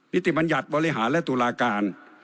ติบัญญัติบริหารและตุลาการ